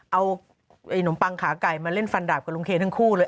เอานมปังขาไก่มาเล่นฟันดาบกับลุงเคนทั้งคู่เลย